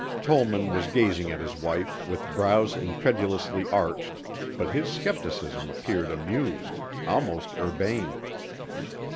Tollman was gazing at his wife with brows incredulously arched but his scepticism appeared amused almost urbane.